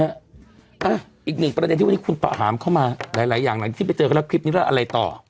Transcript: อ่ะอีกหนึ่งประเด็นที่วันนี้คุณประหามเข้ามาหลายอย่างหลังที่ไปเจอกันแล้วคลิปนี้แล้วอะไรต่อ